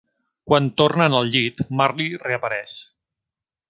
Quan tornen al llit, Marley reapareix.